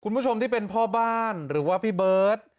คุณผู้ชมที่เป็นพ่อบ้านหรือว่าพี่เบิร์ต